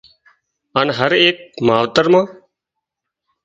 هانَ هر ايڪ متريرا مان